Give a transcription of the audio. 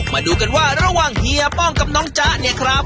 มาดูกันว่าระหว่างเฮียป้องกับน้องจ๊ะเนี่ยครับ